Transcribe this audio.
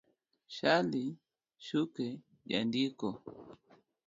Shali Shuke - Jandiko